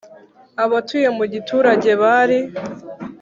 Abatuye mu giturage bari